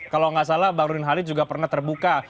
kalau nggak salah bang rudin halid juga pernah terbuka